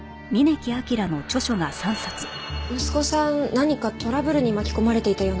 息子さん何かトラブルに巻き込まれていたような事は？